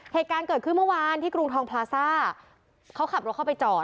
เหตุการณ์เกิดขึ้นเมื่อวานที่กรุงทองพลาซ่าเขาขับรถเข้าไปจอด